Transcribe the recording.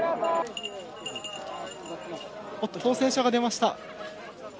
当選者が出ました。